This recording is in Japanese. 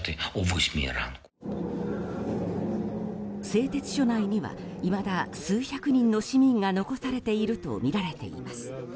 製鉄所内にはいまだ数百人の市民が残されているとみられています。